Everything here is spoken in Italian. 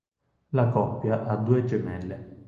La coppia ha due gemelle.